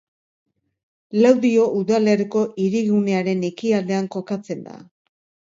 Laudio udalerriko hirigunearen ekialdean kokatzen da.